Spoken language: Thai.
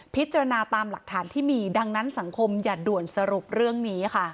พิจารณาตามหลักฐานที่มีดังนั้นสังคมอย่าด่วนสรุปเรื่องนี้ค่ะ